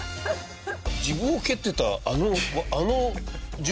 自分を蹴ってたあの。